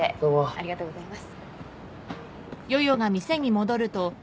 ありがとうございます。